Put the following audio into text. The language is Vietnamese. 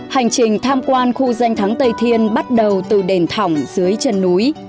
hành trình tham quan khu danh thắng tây thiên bắt đầu từ đền thỏng dưới chân núi